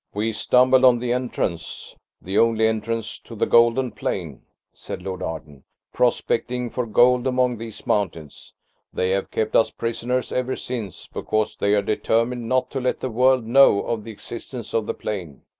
"We stumbled on the entrance, the only entrance to the golden plain," said Lord Arden, "prospecting for gold among these mountains. They have kept us prisoners ever since, because they are determined not to let the world know of the existence of the plain.